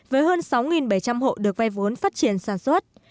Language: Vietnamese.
với hơn sáu bảy trăm linh hộ được vay vốn phát triển sản xuất